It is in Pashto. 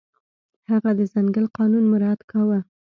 هغه د ځنګل قانون مراعت کاوه.